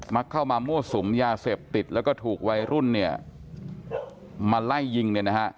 มาเข้ามามั่วสุมยาเสพติดแล้วก็ถูกวัยรุ่นมาไล่ยิง